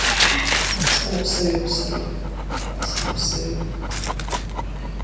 Сааԥсаҩуп сара, сааԥсаҩы.